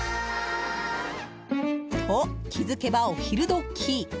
と、気づけばお昼時。